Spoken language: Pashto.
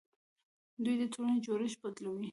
دوی د ټولنې جوړښت بدلوي.